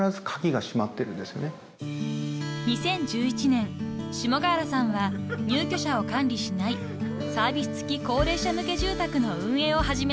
［２０１１年下河原さんは入居者を管理しないサービス付き高齢者向け住宅の運営を始めました］